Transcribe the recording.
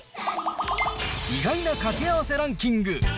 意外なかけあわせランキング。